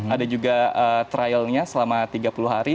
ada juga trialnya selama tiga puluh hari